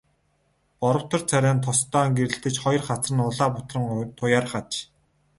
Боровтор царай нь тос даан гэрэлтэж, хоёр хацар нь улаа бутран туяарах аж.